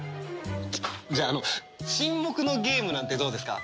じゃあ沈黙のゲームなんてどうですか？